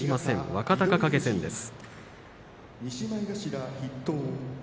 若隆景戦です。